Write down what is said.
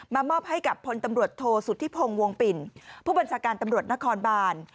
มอบให้กับพลตำรวจโทษสุธิพงศ์วงปิ่นผู้บัญชาการตำรวจนครบาน